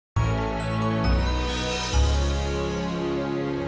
pikirku pun melayang